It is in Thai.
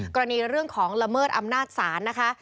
กรณีเรื่องของละเมิดอำนาจศาลนะคะ